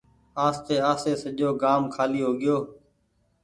آستي آستي سجو گآم کآلي هوگئيو۔